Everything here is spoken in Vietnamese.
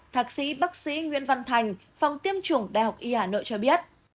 thạc sĩ bác sĩ nguyễn văn thành phòng tiêm chủng đh y hà nội cho biết